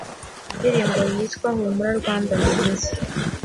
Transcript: indirimbo yitwa Humura Rwanda Nziza,